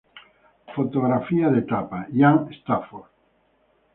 Fotografía de tapa: Ian Stafford.